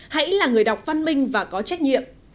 hãy là người đọc văn minh và có trách nhiệm